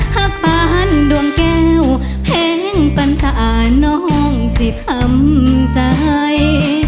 หากปานดวงแก้วเพลงปัญหาน้องสิทำใจ